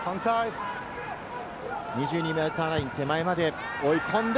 ２２ｍライン手前まで追い込んで。